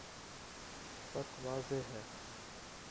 فرق واضح ہے۔